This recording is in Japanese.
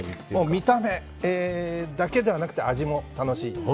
見た目だけではなくて味も楽しい。